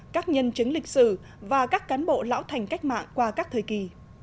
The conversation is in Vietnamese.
các nhân chứng lịch sử và các cán bộ lão thành cách mạng qua các thời kỳ